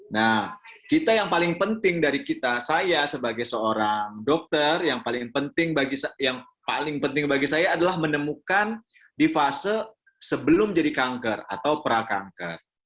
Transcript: nah kita yang paling penting dari kita saya sebagai seorang dokter yang paling penting bagi saya adalah menemukan di fase sebelum jadi kanker atau prakanker